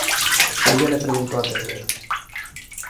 Ella le preguntó a Tedder:.